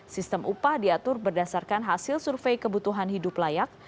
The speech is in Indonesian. sistem upah diatur berdasarkan hasil survei kebutuhan hidup layak